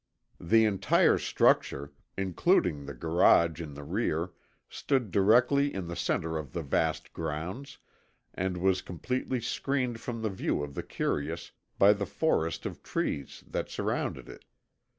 The entire structure, including the garage in the rear, stood directly in the center of the vast grounds, and was completely screened from the view of the curious by the forest of trees that surrounded it.